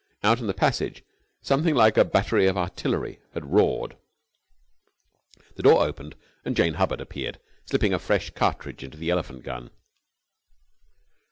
Out in the passage something like a battery of artillery had roared. The door opened and Jane Hubbard appeared, slipping a fresh cartridge into the elephant gun.